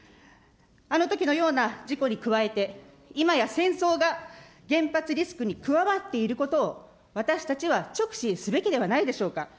あのときのような事故に加えて、今や戦争が原発リスクに加わっていることを、私たちは直視すべきではないでしょうか。